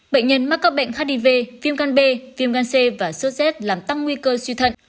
bệnh nhân mắc các bệnh hiv viêm gan b viêm gan c và sốt z làm tăng nguy cơ suy thận